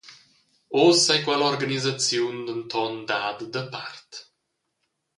Uss ei quella organisaziun denton dada dapart.